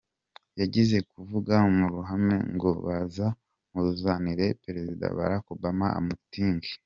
Yigeza kuvuga mu ruhame ngo baza muzanire Perezida Barack Obama amutinge !